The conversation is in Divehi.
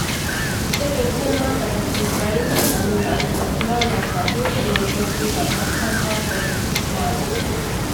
އެ ފިނިފެންމާތަކަކީ ބްރައިނީގެ އަމިއްލަ އަތުން އަތުރައިލައިފައި ހިޔުގެ މޭޒުމަތީގައި ބަހައްޓައިފައި ހުރި މާތަކެއް